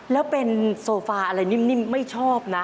แล้วเป็นโซฟาอะไรนิ่มไม่ชอบนะ